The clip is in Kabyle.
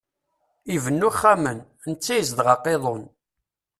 Ibennu ixxamen, netta yezdeɣ aqiḍun.